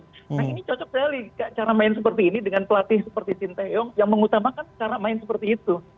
nah ini cocok sekali cara main seperti ini dengan pelatih seperti sinteyong yang mengutamakan cara main seperti itu